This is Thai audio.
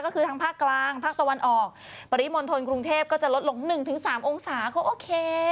ก็คือทางภาคกลางภาคตะวันออกปริมณฑลกรุงเทพก็จะลดลง๑๓องศาก็โอเค